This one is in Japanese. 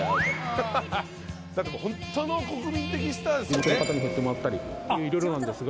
地元の方に振ってもらったり色々なんですが。